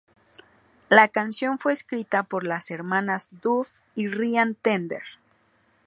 La canción fue escrita por las hermanas Duff y Ryan Tedder.